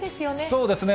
そうですね。